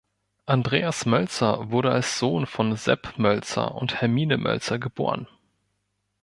Andreas Mölzer wurde als Sohn von Sepp Mölzer und Hermine Mölzer geboren.